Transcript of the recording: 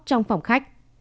trong phòng khách